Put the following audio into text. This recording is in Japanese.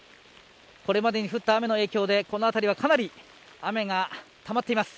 これまでに降った雨の影響でこのあたりはかなり雨がたまっています。